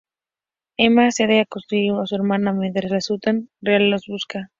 Emma accede a sustituir a su hermana mientras la Sutton real los busca.